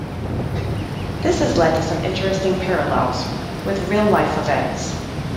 This has led to some interesting parallels with real-life events.